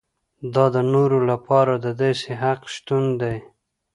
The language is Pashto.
دا د نورو لپاره د داسې حق شتون دی.